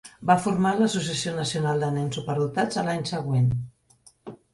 Va formar l'associació nacional de nens superdotats a l'any següent.